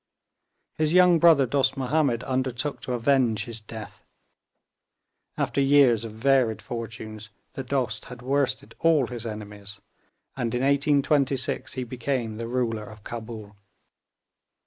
His young brother Dost Mahomed undertook to avenge his death. After years of varied fortunes the Dost had worsted all his enemies, and in 1826 he became the ruler of Cabul.